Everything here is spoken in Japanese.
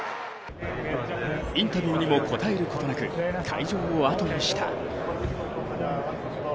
インタビューにも応えることなく会場をあとにした。